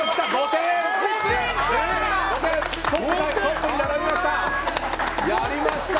トップに並びました！